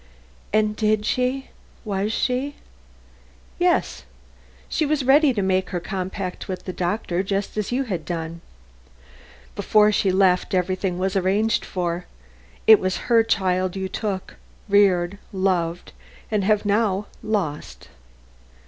"And did she? Was she " "Yes. She was ready to make her compact with the doctor just as you had done. Before she left everything was arranged for. It was her child you took reared loved and have now lost."